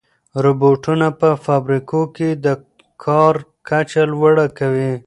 روبوټونه په فابریکو کې د کار کچه لوړه کوي.